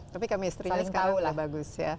tapi kami istrinya sekarang udah bagus ya